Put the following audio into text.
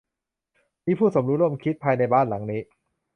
มีผู้สมรู้ร่วมคิดอยู่ภายในบ้านหลังนี้